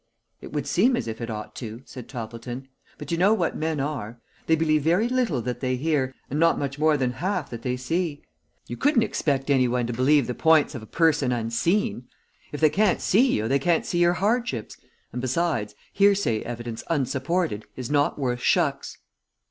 "It would seem as if it ought to," said Toppleton. "But you know what men are. They believe very little that they hear, and not much more than half that they see. You couldn't expect anyone to believe the points of a person unseen. If they can't see you they can't see your hardships, and besides, hearsay evidence unsupported is not worth shucks."